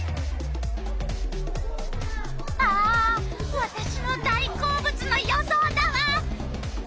あわたしの大好物の予想だわ。